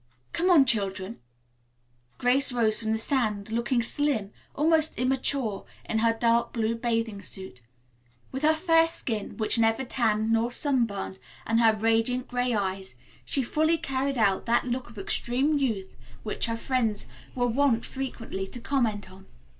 "Come on, children," Grace rose from the sand, looking slim, almost immature, in her dark blue bathing suit. With her fair skin, which neither tanned nor sunburned, and her radiant gray eyes, she fully carried out that look of extreme youth which her friends were wont frequently to comment on.